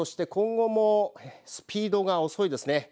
そして今後もスピードが遅いですね。